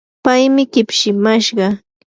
paymi kipshimashqa.